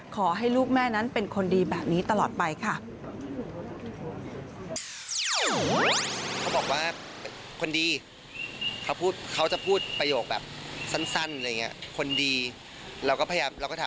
ขอให้ลูกแม่นั้นเป็นคนดีแบบนี้ตลอดไปค่ะ